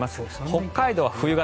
北海道は冬型